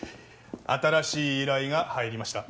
新しい依頼が入りました。